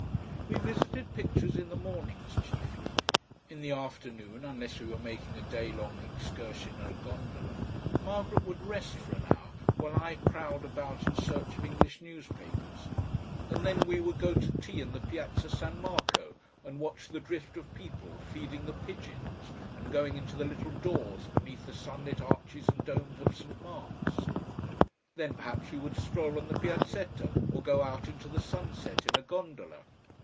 We visited pictures in the mornings chiefly. In the afternoon, unless we were making a day long excursion in a gondola, Margaret would rest for an hour while I prowled about in search of English newspapers, and then we would go to tea in the Piazza San Marco and watch the drift of people feeding the pigeons and going into the little doors beneath the sunlit arches and domes of Saint Mark's. Then perhaps we would stroll on the Piazzetta, or go out into the sunset in a gondola.